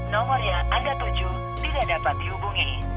nomor yang anda tuju tidak dapat dihubungi